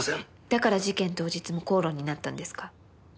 だから事件当日も口論になったんですか？